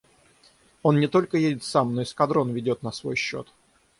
Он не только едет сам, но эскадрон ведет на свой счет.